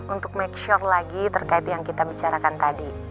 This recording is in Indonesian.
untuk make sure lagi terkait yang kita bicarakan tadi